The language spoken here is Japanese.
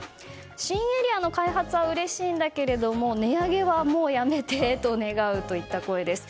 新エリアの開発はうれしいんだけども値上げはもうやめてと願うといった声です。